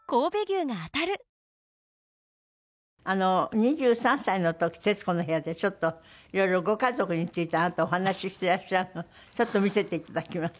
２３歳の時『徹子の部屋』でちょっといろいろご家族についてあなたお話ししてらっしゃるのをちょっと見せていただきます。